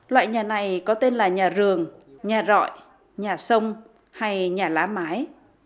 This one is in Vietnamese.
loại nhà này có tên là nhà rường nhà trọi nhà sông hay nhà lá mái